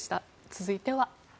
続いては。